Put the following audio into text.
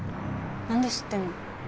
なんで知ってんの？